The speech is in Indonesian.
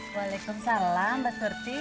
waalaikumsalam mbak surti